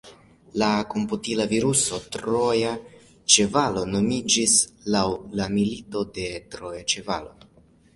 La komputila viruso troja ĉevalo nomiĝis laŭ la mito de la troja ĉevalo.